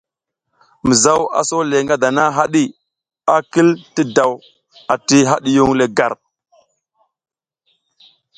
Mizaw a sole ngadana haɗi, a kil ti daw ati hadiyung le gar.